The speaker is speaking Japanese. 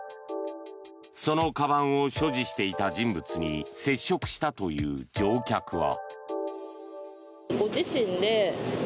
そのかばんを所持していた人物に接触したという乗客は。